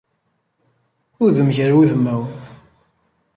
Udem gar wudmawen